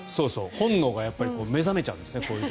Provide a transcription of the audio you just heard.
本能が目覚めちゃうんですね。